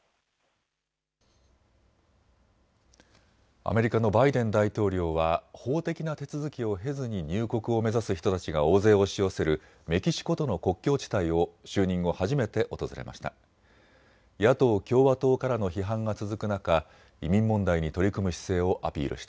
アメリカのバイデン大統領は法的な手続きを経ずに入国を目指す人たちが大勢押し寄せるメキシコとの国境地帯を就任後、初めて訪れました。